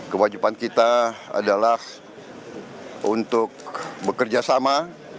kewajiban kita adalah untuk bekerja sama